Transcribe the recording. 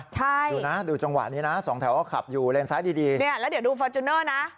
ใช่ดูนะดูจังหวะนี้นะสองแถวก็ขับอยู่เลนซ้ายดีดีเนี่ยแล้วเดี๋ยวดูฟอร์จูเนอร์นะ